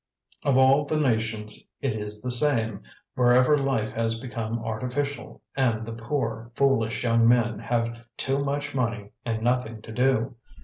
Of all the nations it is the same, wherever life has become artificial and the poor, foolish young men have too much money and nothing to do.